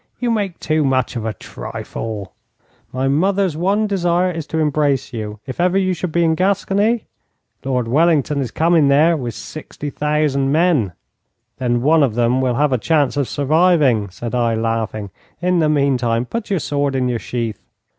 'You make too much of a trifle.' 'My mother's one desire is to embrace you. If ever you should be in Gascony ' 'Lord Wellington is coming there with 60,000 men.' 'Then one of them will have a chance of surviving,' said I, laughing. 'In the meantime, put your sword in your sheath!'